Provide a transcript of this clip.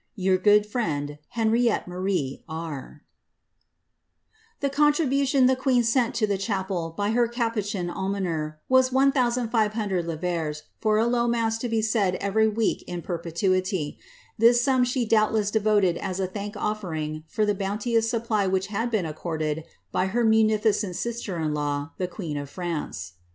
Your good friend, *' Hbxbikttx Ma BR B The contribution the queen sent to the chapel by her capucin almi was 1500 livres, for a low mass to be raid every week in perpetu this sum she doubtless devoted as a thank offering from the bounti supply which had been accorded by her munificent sister in lawy queen of France.